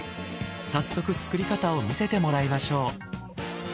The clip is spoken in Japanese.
早速作り方を見せてもらいましょう。